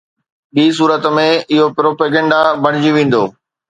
ٻي صورت ۾، اهو پروپيگنڊا بڻجي ويندو.